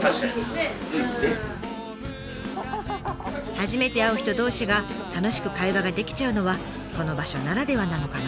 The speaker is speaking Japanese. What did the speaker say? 初めて会う人同士が楽しく会話ができちゃうのはこの場所ならではなのかな！